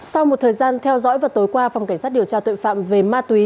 sau một thời gian theo dõi vào tối qua phòng cảnh sát điều tra tội phạm về ma túy